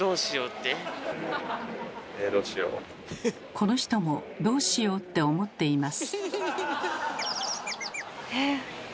この人もどうしようって思っています。